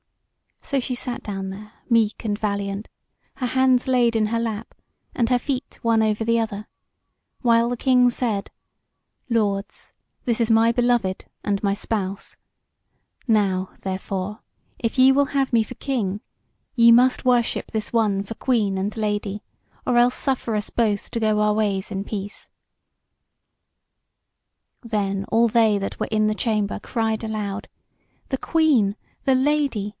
So she sat down there meek and valiant, her hands laid in her lap, and her feet one over the other; while the King said: "Lords, this is my beloved, and my spouse. Now, therefore, if ye will have me for King, ye must worship this one for Queen and Lady; or else suffer us both to go our ways in peace." Then all they that were in the chamber cried out aloud: "The Queen, the Lady!